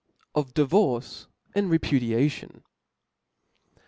Of Divorce and Repudiation.